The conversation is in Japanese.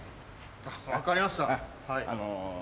分かりました。